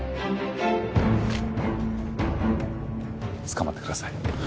つかまってください。